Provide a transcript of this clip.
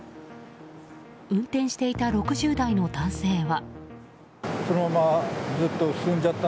運転していた６０代の男性は。